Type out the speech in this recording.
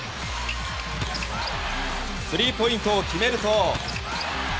スリーポイントを決めると。